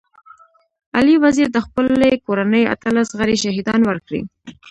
علي وزير د خپلي کورنۍ اتلس غړي شهيدان ورکړي.